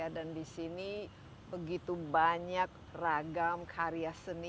dan di sini begitu banyak ragam karya seni